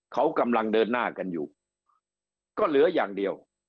เขากำลังเดินหน้ากันอยู่ก็เหลืออย่างเดียว